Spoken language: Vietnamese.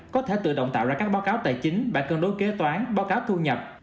có thể tự động tạo ra các báo cáo tài chính bản cân đối kế toán báo cáo thu nhập